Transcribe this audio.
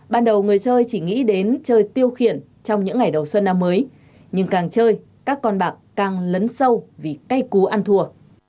ban đầu người chơi chỉ nghĩ đến chơi tiêu khiển trong những ngày đầu xuân năm mới nhưng càng chơi các con bạc càng lấn sâu vì cay cú ăn thua